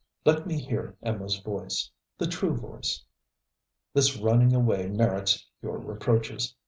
Let me hear Emma's voice the true voice. This running away merits your reproaches.